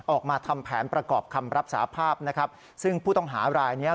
ออกมาทำแผนประกอบคำรับสาภาพนะครับซึ่งผู้ต้องหารายเนี้ย